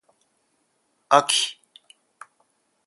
あき